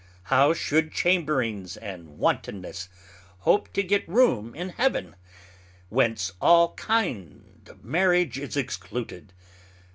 How should Chamberings and Wantonness hope to get room in Heaven, whence all kind of Marriage is excluded?